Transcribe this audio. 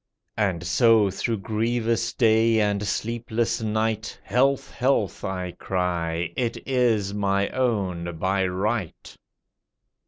And so through grievous day and sleepless night, "Health, health," I cry, "it is my own by right."